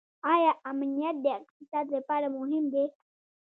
آیا امنیت د اقتصاد لپاره مهم دی؟